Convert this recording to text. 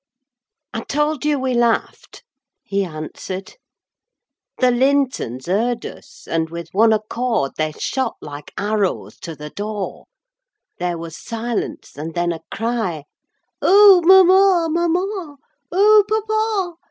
"I told you we laughed," he answered. "The Lintons heard us, and with one accord they shot like arrows to the door; there was silence, and then a cry, 'Oh, mamma, mamma! Oh, papa!